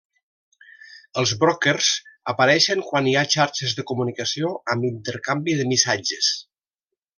Els brokers apareixen quan hi ha xarxes de comunicació amb intercanvi de missatges.